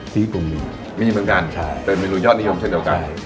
ที่ญี่ปุ่นมีมีเหมือนกันใช่เป็นเมนูยอดนิยมเช่นเดียวกันใช่